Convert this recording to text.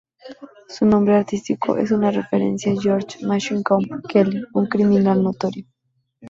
Su nombre artístico es una referencia a George "Machine Gun" Kelly, un criminal notorio.